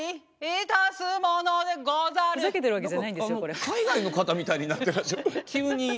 何か海外の方みたいになってらっしゃる急に。